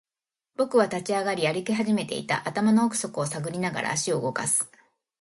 僕は立ち上がり、歩き始めていた。頭の奥底を探りながら、足を動かす。